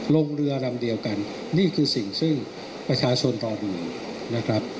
ลงเรือลำเดียวกันนี่คือสิ่งซึ่งประชาชนรออยู่นะครับ